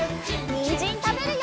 にんじんたべるよ！